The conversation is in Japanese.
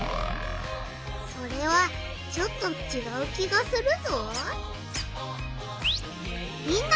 それはちょっとちがう気がするぞ。